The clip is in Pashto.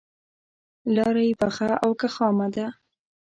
لاره یې پخه او که خامه ده.